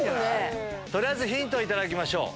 取りあえずヒントを頂きましょう。